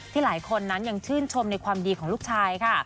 หลายคนนั้นยังชื่นชมในความดีของลูกชายค่ะ